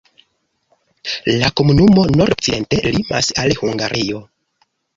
La komunumo nord-okcidente limas al Hungario.